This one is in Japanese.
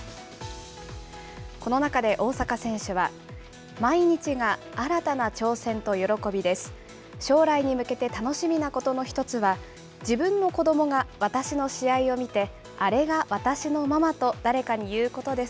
この中で、大坂選手は、毎日が新たな挑戦と喜びです。